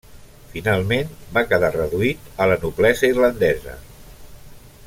Finalment, va quedar reduït a la noblesa irlandesa.